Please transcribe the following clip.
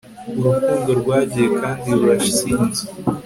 Urukundo rwagiye kandi ruransize